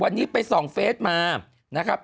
วันนี้ไปส่องเฟสมานะครับ